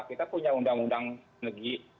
kita punya undang undang negeri